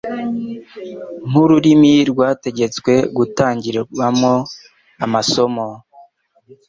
nk'iuruirimi rwategetswe gutangiramwo amasomo